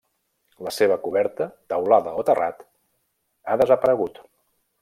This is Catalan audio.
La seva coberta, teulada o terrat, ha desaparegut.